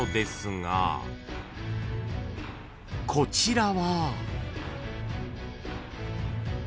［こちらは］